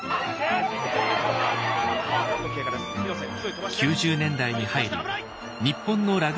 ９０年代に入り日本のラグビー人気は低迷。